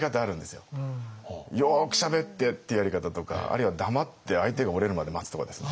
よくしゃべってっていうやり方とかあるいは黙って相手が折れるまで待つとかですね。